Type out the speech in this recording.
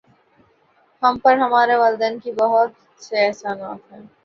ہم پر ہمارے والدین کے بہت سے احسانات ہیں